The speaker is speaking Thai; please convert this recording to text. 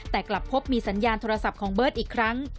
แต่กลับพบมีสัญญาณโทรศัพท์ของเบิร์ตอีกครั้ง